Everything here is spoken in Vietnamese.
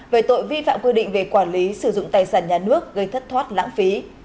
về tội vi phạm quy định về quản lý sử dụng tài sản nhà nước gây thất thoát lãng phí